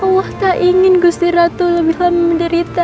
allah tak ingin ustilatu lebih lama menderita